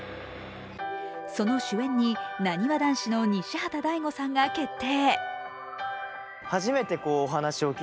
その主演になにわ男子の西畑大吾さんが決定。